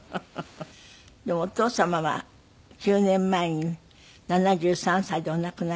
でもお父様は９年前に７３歳でお亡くなりになって。